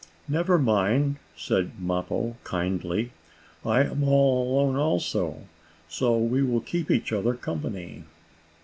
"Never mind," said Mappo, kindly, "I am all alone also, so we will keep each other company."